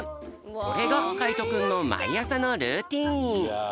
これがかいとくんのまいあさのルーティーン。